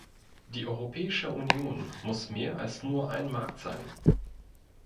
Die Europäische Union muss mehr als nur ein Markt sein.